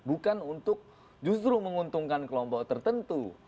bukan untuk justru menguntungkan kelompok tertentu